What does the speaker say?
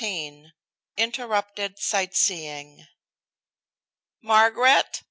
XVI INTERRUPTED SIGHT SEEING "Margaret!"